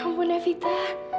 ya ampun ya vita